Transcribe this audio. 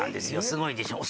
すごいでしょ。